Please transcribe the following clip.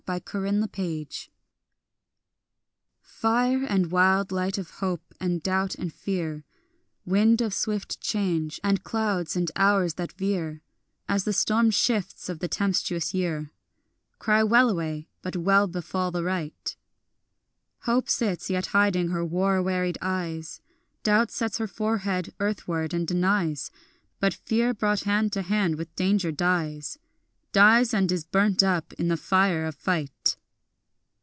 A YEAR'S BURDEN 1870 FIRE and wild light of hope and doubt and fear, Wind of swift change, and clouds and hours that veer As the storm shifts of the tempestuous year; Cry wellaway, but well befall the right. Hope sits yet hiding her war wearied eyes, Doubt sets her forehead earthward and denies, But fear brought hand to hand with danger dies, Dies and is burnt up in the fire of fight.